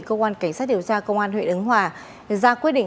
công an cảnh sát điều tra công an huyện ấn hòa ra quyết định